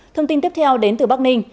thông tin tiếp theo đến từ bắc ninh